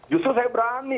justru saya berani